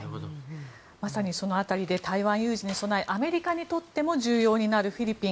まさにその辺りで台湾有事に備えアメリカにとっても重要になるフィリピン。